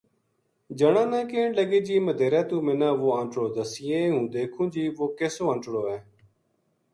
جنا نا کہن لگی جی مدیہرے توہ منا وہ انٹڑو دسینیے ہوں دیکھوں جی وہ کِسو انٹڑو ہے